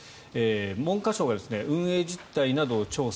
文科省が運営実態などを調査。